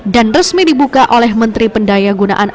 dan resmi dibuka oleh menteri pendaya gunaan